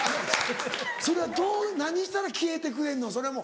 それはどう何したら消えてくれんの？